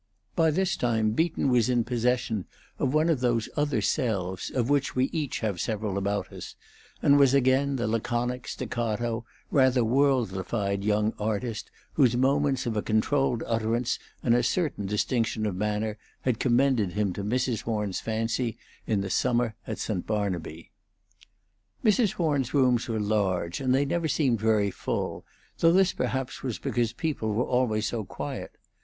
By this time Beaton was in possession of one of those other selves of which we each have several about us, and was again the laconic, staccato, rather worldlified young artist whose moments of a controlled utterance and a certain distinction of manner had commended him to Mrs. Horn's fancy in the summer at St. Barnaby. Mrs. Horn's rooms were large, and they never seemed very full, though this perhaps was because people were always so quiet.